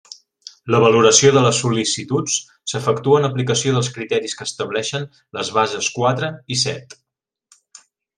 La valoració de les sol·licituds s'efectua en aplicació dels criteris que estableixen les bases quatre i set.